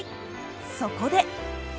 そこで！